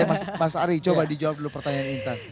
oke mas ari coba dijawab dulu pertanyaan intan